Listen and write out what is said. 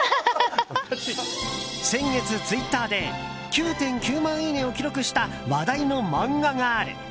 先月、ツイッターで９．９万いいねを記録した話題の漫画がある。